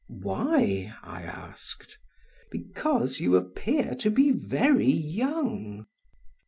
"Why?" I asked. "Because you appear to be very young."